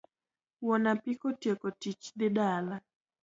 Wuon apiko otieko tich dhi dala.